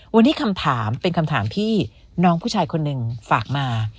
วันนี้คำถามเป็นคำถามที่น้องผู้ชายคนหนึ่งฝากมา